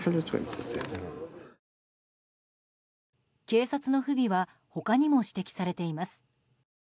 警察の不備は他にも指摘されています。